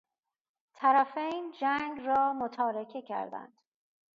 طرفین جنگ را متارکه کردند.